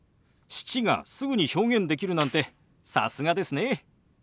「７」がすぐに表現できるなんてさすがですね。